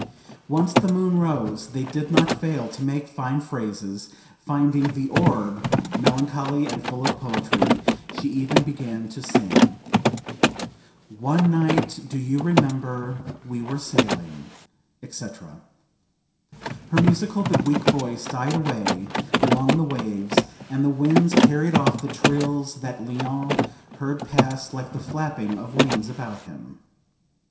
Once the moon rose; they did not fail to make fine phrases, finding the orb melancholy and full of poetry. She even began to sing "One night, do you remember, we were sailing," etc. Her musical but weak voice died away along the waves, and the winds carried off the trills that Léon heard pass like the flapping of wings about him.